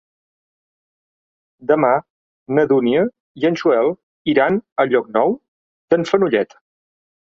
Demà na Dúnia i en Joel iran a Llocnou d'en Fenollet.